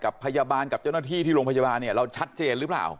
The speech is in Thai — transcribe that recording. พยาบาลกับเจ้าหน้าที่ที่โรงพยาบาลเนี่ยเราชัดเจนหรือเปล่า